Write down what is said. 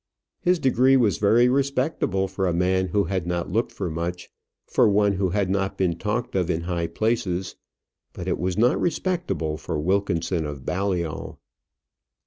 His degree was very respectable for a man who had not looked for much, for one who had not been talked of in high places; but it was not respectable for Wilkinson of Balliol.